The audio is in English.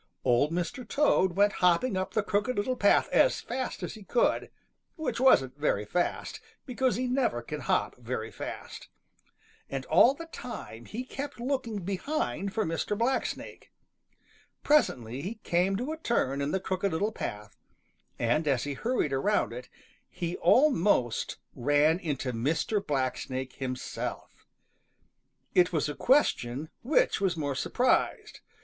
Old Mr. Toad went hopping up the Crooked Little Path as fast as he could, which wasn't very fast, because he never can hop very fast. And all the time he kept looking behind for Mr. Blacksnake. Presently he came to a turn in the Crooked Little Path, and as he hurried around it, he almost ran into Mr. Blacksnake himself. It was a question which was more surprised.